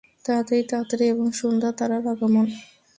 তাড়াতাড়ি, তাড়াতাড়ি, এবং সন্ধ্যা তারার আগমন।